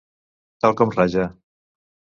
Tal com raja.